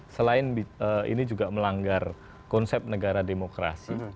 selain ini juga melanggar konsep negara demokrasi